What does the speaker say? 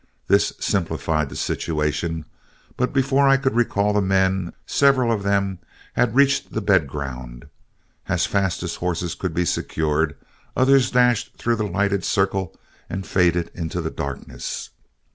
This simplified the situation, but before I could recall the men, several of them had reached the bed ground. As fast as horses could be secured, others dashed through the lighted circle and faded into the darkness.